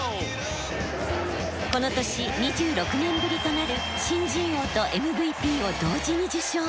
この年２６年ぶりとなる新人王とＭＶＰを同時に受賞。